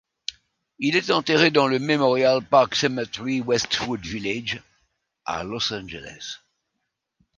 Il est enterré dans le Memorial Park Cemetery Westwood Village à Los Angeles.